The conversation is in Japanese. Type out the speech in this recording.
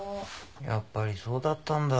やっぱりそうだったんだ。